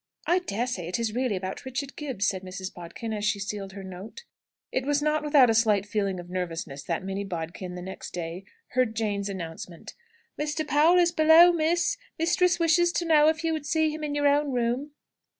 "I daresay it is really about Richard Gibbs," said Mrs. Bodkin, as she sealed her note. It was not without a slight feeling of nervousness that Minnie Bodkin, the next day, heard Jane's announcement, "Mr. Powell is below, Miss. Mistress wishes to know if you would see him in your own room?"